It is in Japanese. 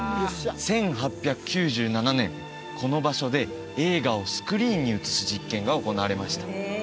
１８９７年この場所で映画をスクリーンに映す実験が行われました